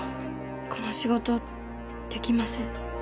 この仕事出来ません。